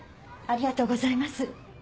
ありがとうございます。